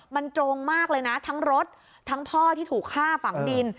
มันตรงมากเลยนะทั้งรถทั้งพ่อที่ถูกฆ่าฝังดิน